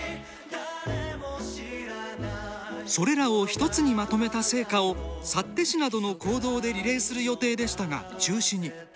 それらを１つにまとめた聖火を幸手市などの公道でリレーする予定でしたが中止に。